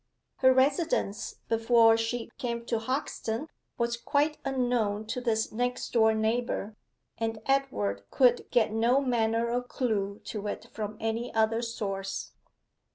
Her residence, before she came to Hoxton, was quite unknown to this next door neighbour, and Edward could get no manner of clue to it from any other source.